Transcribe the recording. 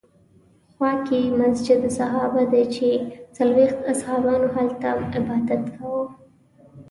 خوا کې یې مسجد صحابه دی چې څلوېښت اصحابو هلته عبادت کاوه.